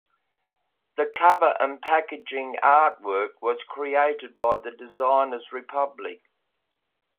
The cover and packaging artwork was created by The Designers Republic.